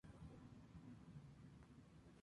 Político mexicano.